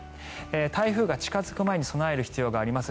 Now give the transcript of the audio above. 台風が近付く前に備える必要があります。